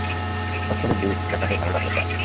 অক্সফোর্ডের duke, দেখা হয়ে ভাল লাগল, স্যার!